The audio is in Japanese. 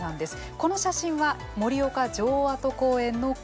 この写真は盛岡城跡公園の紅葉です。